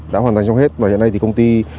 đã hoàn thành trong hết và hiện nay thì công ty